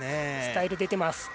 スタイルが出ています。